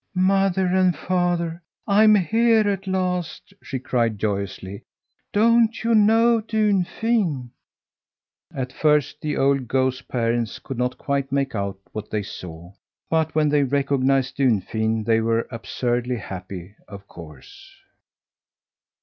"Mother and father, I'm here at last!" she cried joyously. "Don't you know Dunfin?" At first the old goose parents could not quite make out what they saw, but when they recognized Dunfin they were absurdly happy, of course.